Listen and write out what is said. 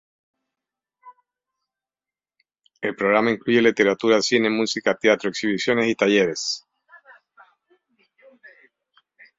El programa incluye literatura, cine, música, teatro, exhibiciones y talleres.